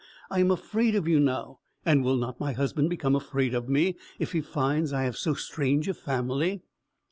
I am afraid of you now; and will not my husband become afraid of me, if he finds I have so strange a family?"